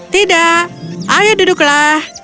tidak ayo duduklah